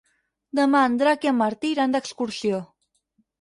Demà en Drac i en Martí iran d'excursió.